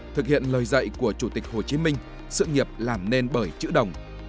thực hiện lời dạy của chủ tịch hồ chí minh sự nghiệp làm nên bởi chữ đồng